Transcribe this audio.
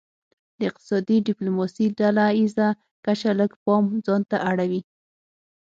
د اقتصادي ډیپلوماسي ډله ایزه کچه لږ پام ځانته اړوي